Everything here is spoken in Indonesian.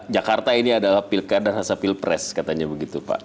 jakarta ini adalah pilkada rasa pilpres katanya begitu pak